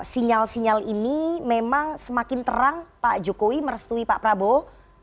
sinyal sinyal ini memang semakin terang pak jokowi merestui pak prabowo